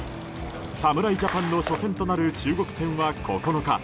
侍ジャパンの初戦となる中国戦は９日。